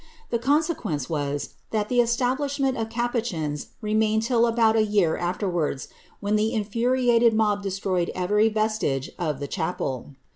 The ronsequence was, that the establishment of capucins remained till about i year afterwards, when the infuriated mob destroyed every vestige of liie chapel.